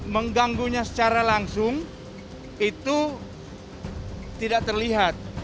mengganggunya secara langsung itu tidak terlihat